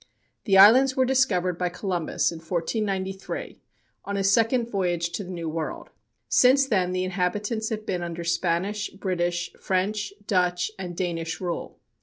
The islands were discovered by Columbus in 1493, on his second voyage to the New World. Since then the inhabitants have been under Spanish, British, French, Dutch and Danish rule.